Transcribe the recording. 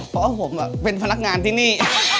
เพราะว่าผมเป็นพนักงานที่นี่